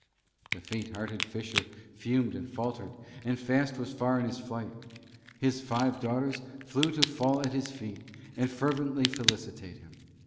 The Faint hearted Fisher Fumed and Faltered, and Fast was Far in his Flight. His Five daughters Flew to Fall at his Feet, and Fervently Felicitate him.